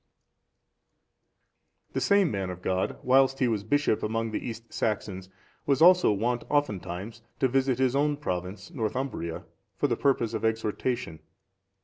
D.] The same man of God, whilst he was bishop among the East Saxons, was also wont oftentimes to visit his own province, Northumbria, for the purpose of exhortation.